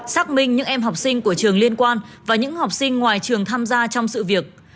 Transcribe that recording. xác minh những em học sinh của trường liên quan và những học sinh ngoài trường tham gia trong sự việc